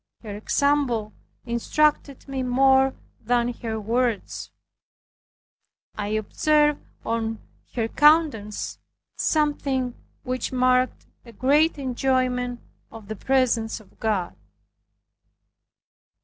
Her example instructed me more than her words. I observed on her countenance something which marked a great enjoyment of the presence of God.